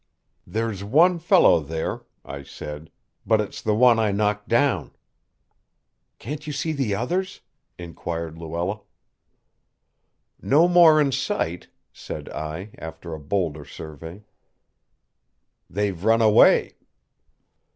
"There's one fellow there," I said. "But it's the one I knocked down." "Can't you see the others?" inquired Luella. "No more in sight," said I, after a bolder survey. "They've run away."